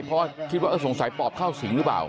ขอติว่าเออสงสัยปอบเข้าสิงหรือเปล่า